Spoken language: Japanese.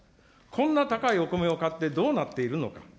こんな高いお米を買ってどうなっているのか。